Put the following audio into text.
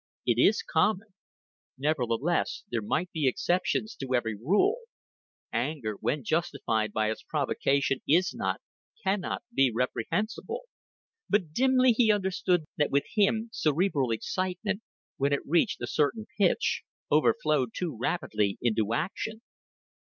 It is common. Nevertheless there must be exceptions to every rule: anger when justified by its provocation is not, can not be reprehensible. But dimly he understood that with him cerebral excitement, when it reached a certain pitch, overflowed too rapidly into action.